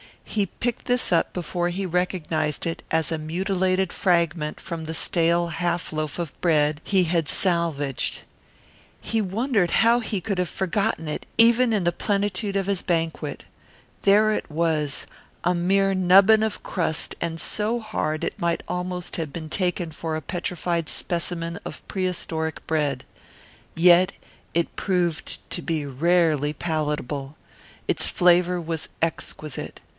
He picked this up before he recognized it as a mutilated fragment from the stale half loaf of bread he had salvaged. He wondered how he could have forgotten it, even in the plenitude of his banquet. There it was, a mere nubbin of crust and so hard it might almost have been taken for a petrified specimen of prehistoric bread. Yet it proved to be rarely palatable. It's flavour was exquisite.